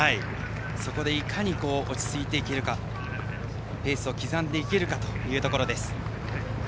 そこでいかに落ち着いていけるかペースを刻んでいけるかというところです。